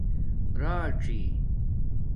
راڅی